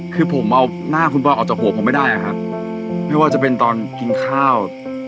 คือผมเอาหน้าคุณบอลออกจากหัวผมไม่ได้อะครับไม่ว่าจะเป็นตอนกินข้าว